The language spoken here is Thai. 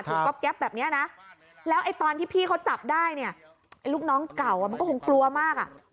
ก๊อบแป๊บแบบนี้นะแล้วไอ้ตอนที่พี่เขาจับได้เนี่ยไอ้ลูกน้องเก่ามันก็คงกลัวมากอ่ะ